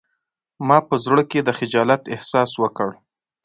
ما په زړه کې د خجالت احساس وکړ